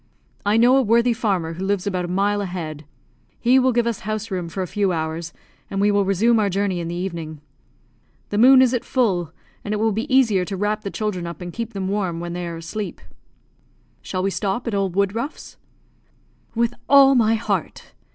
I know a worthy farmer who lives about a mile ahead; he will give us house room for a few hours; and we will resume our journey in the evening. The moon is at full; and it will be easier to wrap the children up, and keep them warm when they are asleep. Shall we stop at Old Woodruff's?" "With all my heart."